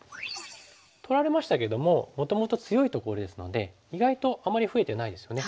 取られましたけどももともと強いところですので意外とあまり増えてないですよね。